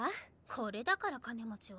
これだから金持ちは。